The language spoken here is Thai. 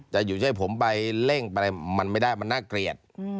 แต่อยู่จะให้ผมไปเร่งไปมันไม่ได้มันน่าเกลียด